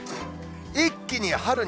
一気に春に。